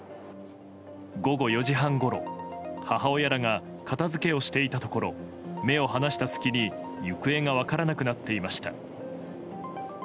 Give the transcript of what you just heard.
午後４時半ごろ母親らが片づけをしていたところ目を離した隙に行方が分からなくなっていました。